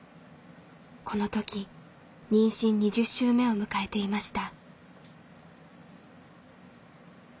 この時妊娠２０週目を迎えていました。